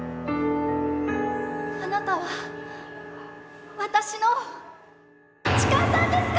あなたは私の痴漢さんですか？